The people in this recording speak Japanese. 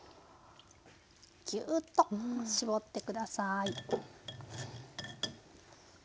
ギューッと絞って下さい。